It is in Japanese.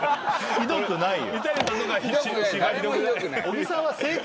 ひどくないよ！